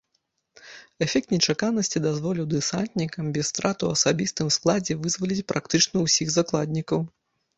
Эфект нечаканасці дазволіў дэсантнікам без страт у асабістым складзе вызваліць практычна ўсіх закладнікаў.